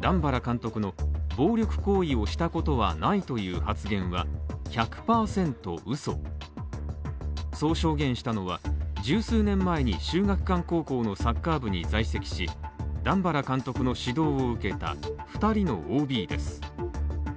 段原監督の暴力行為をしたことはないという発言は１００％うそ、そう証言したのは十数年前に秀岳館高校のサッカー部に在籍し、段原監督の指導を受けた２人のＯＢです。